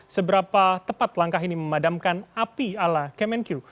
seberapa tepat langkah ini memadamkan api ala kemenkyu